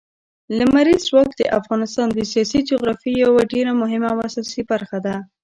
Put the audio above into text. لمریز ځواک د افغانستان د سیاسي جغرافیې یوه ډېره مهمه او اساسي برخه ده.